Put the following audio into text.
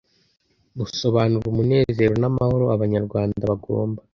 Busobanura umunezero n amahoro Abanyarwanda bagomba